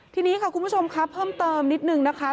ทีนี้ค่ะคุณผู้ชมค่ะเพิ่มเติมนิดนึงนะคะ